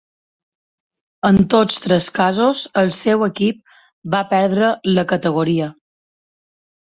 En tots tres casos el seu equip va perdre la categoria.